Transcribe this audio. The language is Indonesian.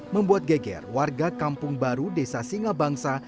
membuat geger warga kampung baru desa singa bangsa